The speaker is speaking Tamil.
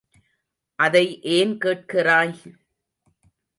அதை ஏன் கேட்கிறாய்?